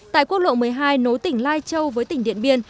tại quốc lộ một mươi hai nối tỉnh lai châu với tỉnh điện biên